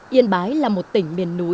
yên bái là một tỉnh miền núi có bảy mươi nơi